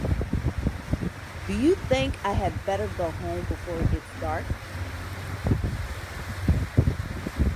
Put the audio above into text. Do you think I had better go home before it gets dark?